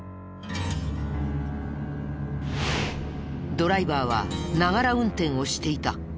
ドライバーはながら運転をしていた。